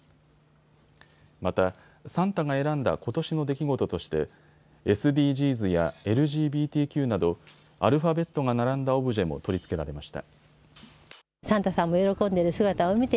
また、サンタが選んだことしの出来事としてＳＤＧｓやＬＧＢＴＱなどアルファベットが並んだオブジェも取り付けられました。